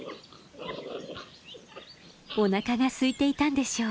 おなかがすいていたんでしょう。